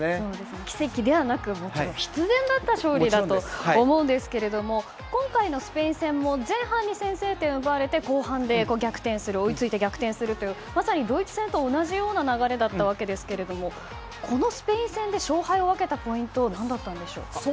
奇跡ではなく必然だった勝利だと思いますけど今回のスペイン戦も前半に先制点を奪われて後半で追いついて逆転するというまさにドイツ戦と同じ流れだったわけですがこのスペイン戦で勝敗を分けたポイントは何だったんでしょうか。